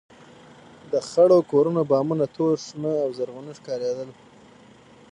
د خړو کورونو بامونه تور، شنه او زرغونه ښکارېدل.